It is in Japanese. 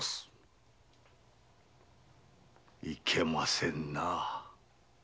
いけませんな。